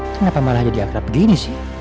kenapa malah jadi akrab begini sih